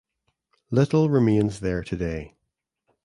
Little remains there today.